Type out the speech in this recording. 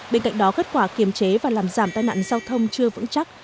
bên cạnh đó kết quả kiềm chế và làm giảm tai nạn giao thông chưa vững chắc